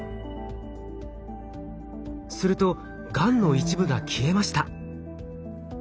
するとがんの一部が消えました。